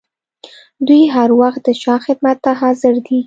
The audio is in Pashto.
دوی هر وخت د شاه خدمت ته حاضر دي.